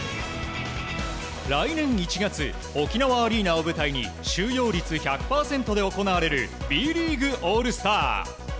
来年１月沖縄アリーナを舞台に収容率１００％で行われるＢ．ＬＥＡＧＵＥＡＬＬ‐ＳＴＡＲ。